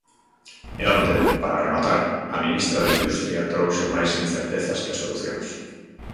E onte, para rematar, a ministra de Industria trouxo máis incertezas que solucións.